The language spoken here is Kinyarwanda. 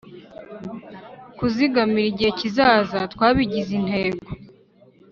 Kuzigamira igihe kizaza twabigize intego